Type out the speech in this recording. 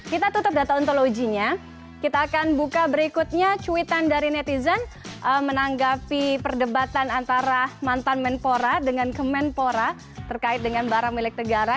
kita tutup data ontologinya kita akan buka berikutnya cuitan dari netizen menanggapi perdebatan antara mantan menpora dengan kemenpora terkait dengan barang milik negara